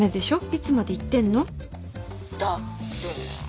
いつまで言ってんの？だって。